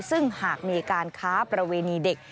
ซึ่งหากมีการค้าประเวณีเด็ก